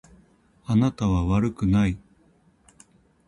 あなたは悪くない。